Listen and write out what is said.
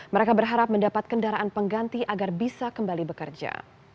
mereka berharap mendapat kendaraan pengganti agar bisa kembali bekerja